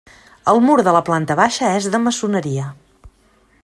El mur de la planta baixa és de maçoneria.